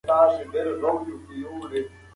موږ په دغه کوڅې کي ډېر ښه کلونه تېر کړل.